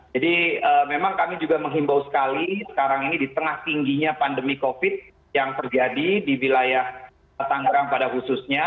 jadi memang kami juga menghimbau sekali sekarang ini di tengah tingginya pandemi covid sembilan belas yang terjadi di wilayah tangerang pada khususnya